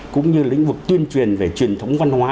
cũng như lĩnh vực tuyên truyền về truyền thống văn hóa